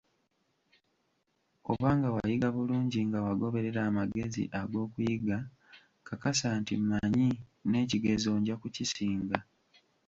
Oba nga wayiga bulungi, nga wagoberera amagezi ag'okuyiga, kakasa nti: "Mmanyi n'ekigezo nja kukisinga".